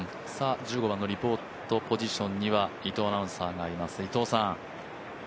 １５番のリポートポジションには伊藤アナウンサーがいます。